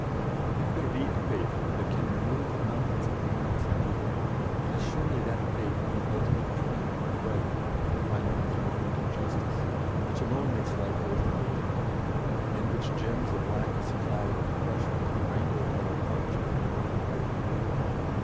... If there be a faith that can remove the mountains of ignorance and evil, it is surely that faith in the ultimate triumph of Right in the final enthronement of Justice, which alone makes life worth the living, and which gems the blackest cloud of depression with the rainbow coloured arch of an immortal hope."